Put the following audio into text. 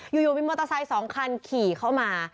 อยู่มีมอเตอร์ไซค์๒คันขี่เข้ามา